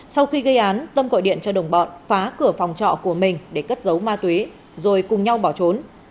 sau khi gây án tâm gọi điện cho đồng bọn phá cửa phòng trọ của mình để cất giấu ma túy rồi cùng nhau bỏ trốn